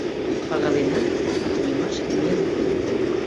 — Пагаленат, а тойымашке миен отыл...